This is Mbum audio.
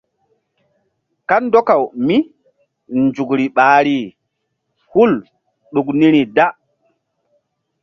Kandɔkaw mí nzukri ɓahri hul ɗuk niri da.